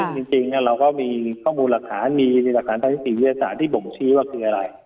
จริงเราก็มีข้อมูลหลักฐานมีหลักฐานทางนิติวิทยาศาสตร์ที่บ่งชี้ว่าคืออะไร